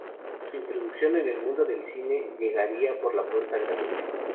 Su introducción en el mundo del cine llegaría por la puerta grande.